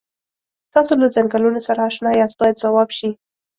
تاسو له څنګلونو سره اشنا یاست باید ځواب شي.